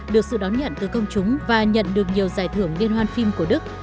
được sự đón nhận từ công chúng và nhận được nhiều giải thưởng liên hoan phim của đức